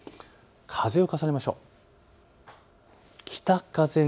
風を重ねましょう。